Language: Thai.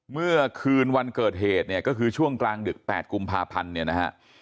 เมื่อคืนวันเกิดเหตุเนี่ยก็คือช่วงกลางดึก๘กุมภาพันธ์เนี่ยนะฮะ